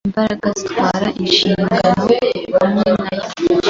Imbaraga zitwara inshingano hamwe nayo.